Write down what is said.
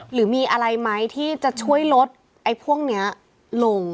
หรือมีอะไรไหมที่จะช่วยลดไอ้พวกนี้ลง